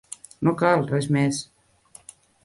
No cal, res més.